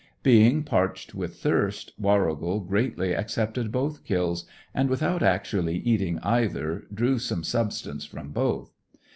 Being parched with thirst, Warrigal gratefully accepted both kills, and without actually eating either drew some sustenance from both.